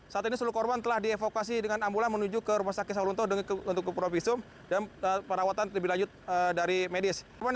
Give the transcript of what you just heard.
saat ini seluruh korban telah dievokasi dengan ambulans menuju ke rumah sakit saulunto untuk ke provisum dan perawatan lebih lanjut dari medis